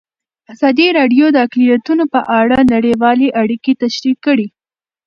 ازادي راډیو د اقلیتونه په اړه نړیوالې اړیکې تشریح کړي.